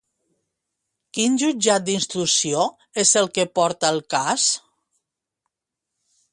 Quin Jutjat d'Instrucció és el que porta el cas?